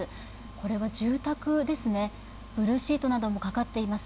これは住宅ですね、ブルーシートなどもかかっています。